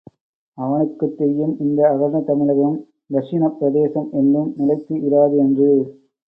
அவனுக்குத் தெரியும், இந்த அகண்ட தமிழகம், தக்ஷிணப் பிரதேசம் என்றும் நிலைத்து இராது என்று.